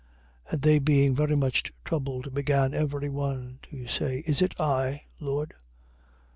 26:22. And they being very much troubled began every one to say: Is it I, Lord?